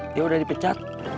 dia udah dipecat